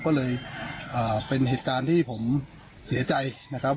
ก็เลยเป็นเหตุการณ์ที่ผมเสียใจนะครับ